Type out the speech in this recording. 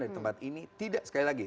di tempat ini tidak sekali lagi